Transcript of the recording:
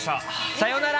さようなら。